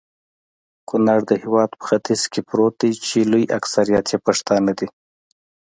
کونړ د هيواد په ختیځ کي پروت دي.چي لوي اکثريت يي پښتانه دي